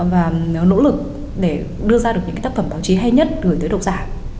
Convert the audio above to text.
và nó nỗ lực để đưa ra được những cái tác phẩm báo chí hay nhất gửi tới độc giả